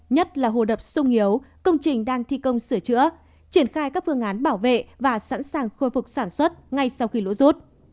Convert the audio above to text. nhất là hồ đập sung yếu công trình đang thi công sửa chữa triển khai các phương án bảo vệ và sẵn sàng khôi phục sản xuất ngay sau khi lũ rút